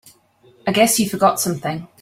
I guess you forgot something.